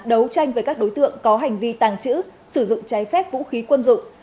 đấu tranh với các đối tượng có hành vi tàng trữ sử dụng trái phép vũ khí quân dụng